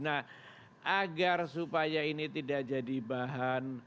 nah agar supaya ini tidak jadi bahan